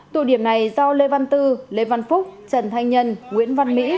tụ điểm này do lê văn tư lê văn phúc trần thanh nhân nguyễn văn mỹ